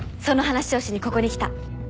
その話をしにここに来た。